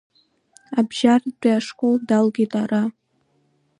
Абжьаратәи ашкол далгеит ара.